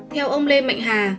theo ông lê mạnh hà